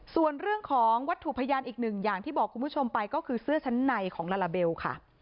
ส่วนเรื่องของวัตถุพยานอีกหนึ่งอย่างที่บอกคุณผู้ชมไปก็คือเสื้อชั้นในของลาลาเบลค่ะ